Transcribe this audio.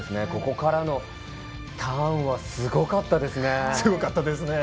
ここからのターンはすごかったですね。